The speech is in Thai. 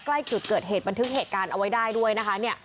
ใกล้จุดเกิดเหตุบันทึกเหตุการณ์เอาไว้ได้ด้วยนะคะ